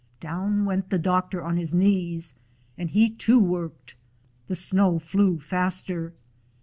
Down went the doctor on his knees, and he too worked. The snow flew faster.